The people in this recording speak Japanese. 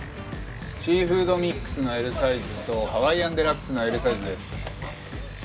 シーフードミックスのＬサイズとハワイアンデラックスのＬサイズです。